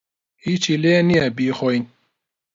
ھیچی لێ نییە بیخۆین.